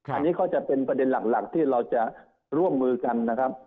อันนี้ก็จะเป็นประเด็นหลักที่เราจะร่วมมือกันนะครับ